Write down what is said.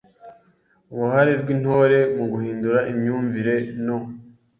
Uruhare rw’Intore mu guhindura imyumvire no